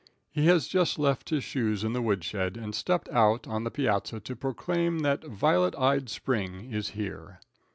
He has just left his shoes in the woodshed and stepped out on the piazza to proclaim that violet eyed spring is here.